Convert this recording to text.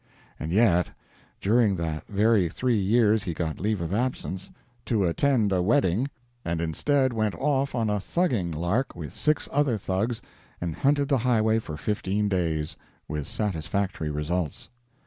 And yet during that very three years he got leave of absence "to attend a wedding," and instead went off on a Thugging lark with six other Thugs and hunted the highway for fifteen days! with satisfactory results.